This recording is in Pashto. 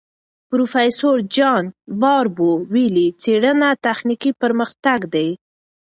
پروفیسور جان باربور ویلي، څېړنه تخنیکي پرمختګ دی.